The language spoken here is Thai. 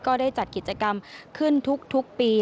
ได้จัดกิจกรรมขึ้นทุกปี